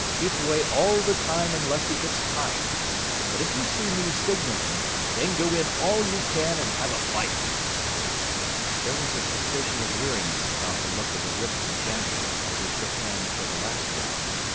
Keep away all the time unless he gets tired. But if you see me signalling, then go in all you can and have a fight." There was a suspicion of weariness about the look of the Ripton champion as he shook hands for the last round.